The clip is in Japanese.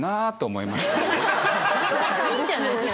いいじゃないですか。